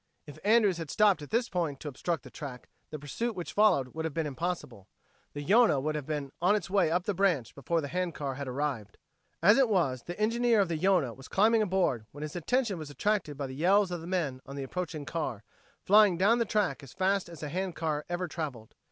If Andrews had stopped at this point to obstruct the track, the pursuit which followed would have been impossible. The Yonah would have been on its way up the branch before the hand car arrived. As it was, the engineer of the Yonah was climbing aboard when his attention was attracted by the yells of the men on the approaching car, flying down the track as fast as a hand car ever traveled.